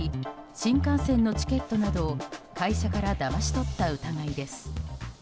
新幹線のチケットなどを会社からだまし取った疑いです。